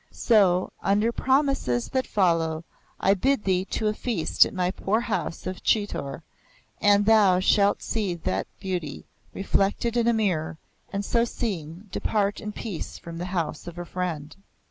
So, under promises that follow, I bid thee to a feast at my poor house of Chitor, and thou shalt see that beauty reflected in a mirror, and so seeing, depart in peace from the house of a friend."